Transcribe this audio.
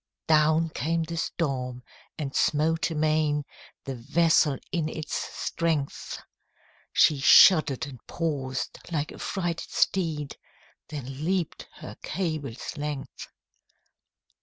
Down came the storm, and smote amain The vessel in its strength; She shudder'd and paused, like a frighted steed, Then leap'd her cable's length.